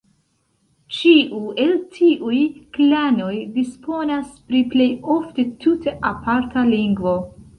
Ĉiu el tiuj klanoj disponas pri plej ofte tute aparta lingvo.